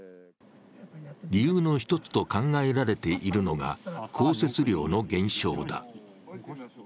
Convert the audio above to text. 理由の一つと考えられているのが、降雪量の減少だ。